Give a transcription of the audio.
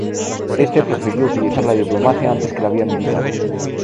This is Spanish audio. Éste prefirió utilizar la diplomacia antes que la vía militar.